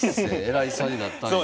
偉いさんになったんや。